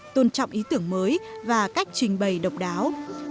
tôn trọng ý tưởng mới và cách trình bày độc đáo